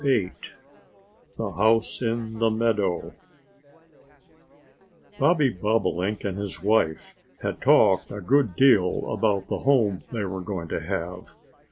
VIII THE HOUSE IN THE MEADOW BOBBY BOBOLINK and his wife had talked a good deal about the home they were going to have.